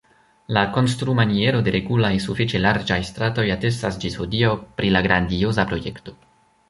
La konstrumaniero de regulaj, sufiĉe larĝaj stratoj atestas ĝis hodiaŭ pri la grandioza projekto.